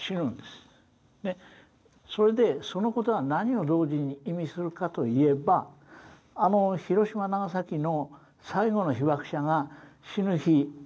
それでその事が何を同時に意味するかといえばあの広島長崎の最後の被爆者が死ぬ日でも恐らくあるんです。